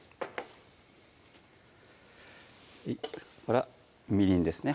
それからみりんですね